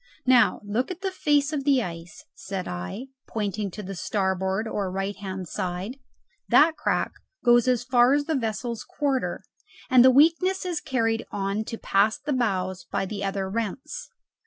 Now look at the face of the ice," said I, pointing to the starboard or right hand side; "that crack goes as far as the vessel's quarter, and the weakness is carried on to past the bows by the other rents.